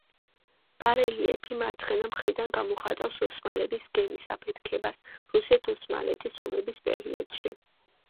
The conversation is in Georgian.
ბარელიეფი მარცხენა მხრიდან გამოხატავს ოსმალების გემის აფეთქებას რუსეთ-ოსმალეთის ომების პერიოდში.